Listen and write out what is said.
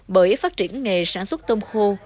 bởi phát triển nghề sản xuất tôm khô